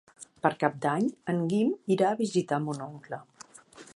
Per Cap d'Any en Guim irà a visitar mon oncle.